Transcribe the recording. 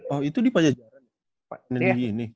oh itu di pajajaran